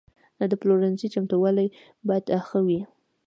د پلورنځي چمتووالی باید ښه وي.